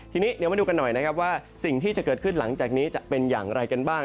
ทีนี้เดี๋ยวมาดูกันหน่อยนะครับว่าสิ่งที่จะเกิดขึ้นหลังจากนี้จะเป็นอย่างไรกันบ้าง